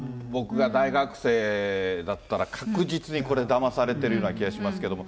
僕が大学生だったら、確実にこれ、だまされてるような気がしますけども。